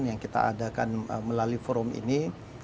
yang kita adakan melalui forum ini